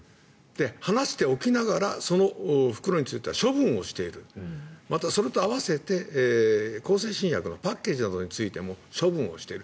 話しておきながらその袋については処分をしているまたそれと合わせて、向精神薬のパッケージなどについても処分している。